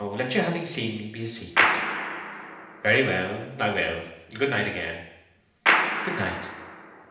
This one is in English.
Let your having seen me be a secret!" "Very well; I will. Good night, again." "Good night."